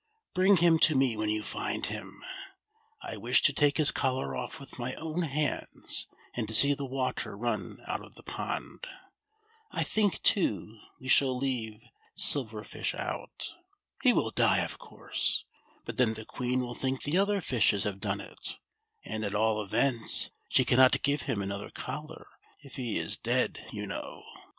Bring him to me when you find him. I wish to take his collar ofi" with m\' own hands, and to see the water run out of the pond. I think, too, we shall leave Silver Fish out. He will die, of course ; but then the Queen will think the other fishes have done it, and, at all events, she cannot give him another collar if he is dead, you know."